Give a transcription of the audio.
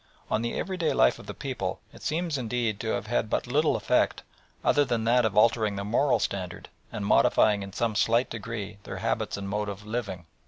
On the everyday life of the people it seems indeed to have had but little effect other than that of altering their moral standard and modifying in some slight degree their habits and mode of living.